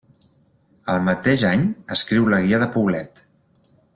Al mateix any escriu la Guia de Poblet.